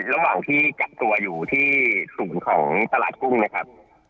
ระหว่างที่กักตัวอยู่ที่ศูนย์ของตลาดกุ้งนะครับ